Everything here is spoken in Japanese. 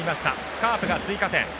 カープが追加点。